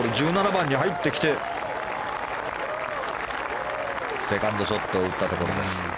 １７番に入ってきてセカンドショットを打ったところです。